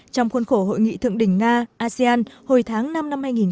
trong khuôn khổ hội nghị thượng đỉnh nga asean hồi tháng năm năm hai nghìn một mươi sáu